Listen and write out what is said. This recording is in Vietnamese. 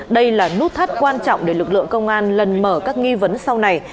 đây là nút thắt quan trọng để lực lượng công an lần mở các nghi vấn sau này